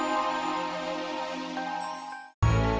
kemungkinan kita badan